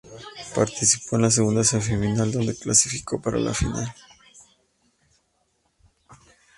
Participó en la segunda semifinal, donde se clasificó para la final.